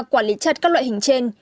quản lý trật các loại hình dung